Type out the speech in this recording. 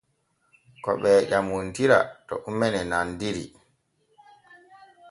Ko ɓee ƴamontira to ume ne nandiri.